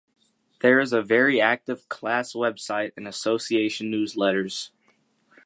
There is a very active class web site and association newsletters.